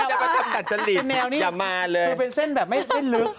เออเป็นแนวนี้คือเป็นเส้นแบบไม่ลึก